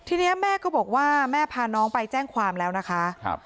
ทีนี้แม่ก็บอกว่าแม่พาน้องไปแจ้งความแล้วนะคะ